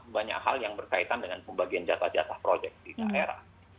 banyak hal yang berkaitan dengan pembagian jatah jatah proyek di daerah